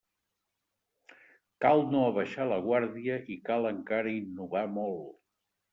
Cal no abaixar la guàrdia i cal encara innovar molt.